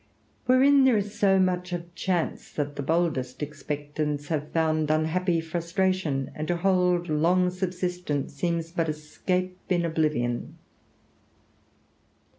Wherein there is so much of chance, that the boldest expectants have found unhappy frustration; and to hold long subsistence seems but a scape in oblivion.